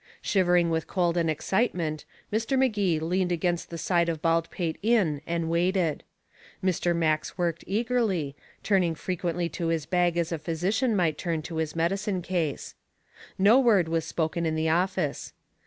Shivering with cold and excitement, Mr. Magee leaned against the side of Baldpate Inn and waited. Mr. Max worked eagerly, turning frequently to his bag as a physician might turn to his medicine case. No word was spoken in the office.